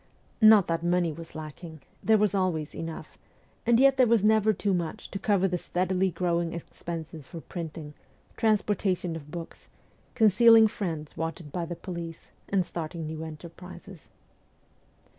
Not that money was lacking ; there was always enough, and yet there was never too much to cover the steadily growing expenses for printing, transportation of books, con cealing friends wanted by the police, and starting new enterprises.